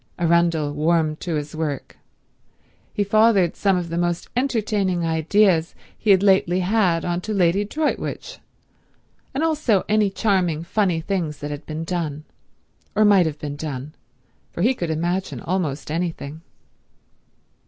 Arundel warmed to his work. He fathered some of the most entertaining ideas he had lately had on to Lady Droitwich, and also any charming funny things that had been done—or might have been done, for he could imagine almost anything.